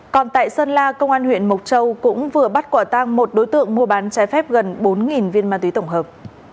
còn tại sơn la công an huyện mộc châu cũng vừa bắt quả tang một đối tượng mua bán trái phép gần bốn viên ma túy tổng hợp